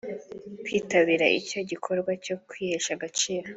kwitabira icyo gikorwa cyo kwihesha agaciro